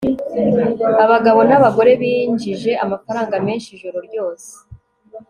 abagabo n'abagore binjije amafaranga menshi ijoro ryose